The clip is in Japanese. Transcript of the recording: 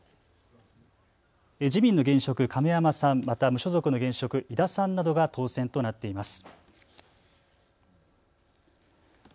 自民の現職、亀山さんまた無所属の現職、井田さんなどが当選となっています。